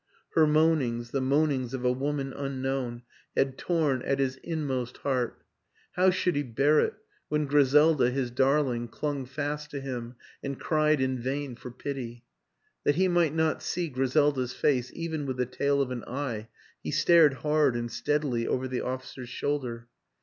Her meanings, the moanings of a woman unknown, had torn at his inmost 112 WILLIAM AN ENGLISHMAN heart; how should he bear it when Griselda, his darling, clung fast to him and cried in vain for pity? ... That he might not see Griselda's face even with the tail of an eye he stared hard and steadily over the officer's shoulder.